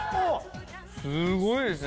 すごいですね！